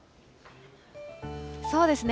そうですね。